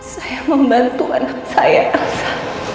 saya membantu anak saya elsa